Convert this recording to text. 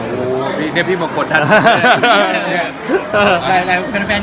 เดี๋ยวพี่ปรึงกดท่าน